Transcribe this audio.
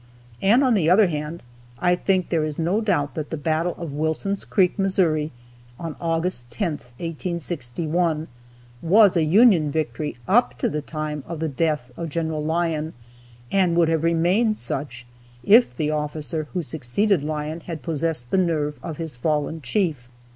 And, on the other hand, I think there is no doubt that the battle of Wilson's Creek, Missouri, on August 10, 1861, was a Union victory up to the time of the death of Gen. Lyon, and would have remained such if the officer who succeeded Lyon had possessed the nerve of his fallen chief.